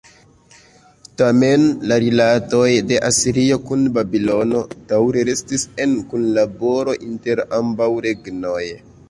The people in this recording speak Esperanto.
Tamen, la rilatoj de Asirio kun Babilono, daŭre restis en kunlaboro inter ambaŭ regnoj.